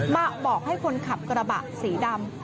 มาบอกให้คนขับกระบะสีดำ